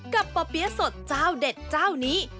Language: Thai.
ป่อเปี๊ยะสดเจ้าเด็ดเจ้านี้